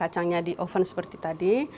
jadi di oven seperti tadi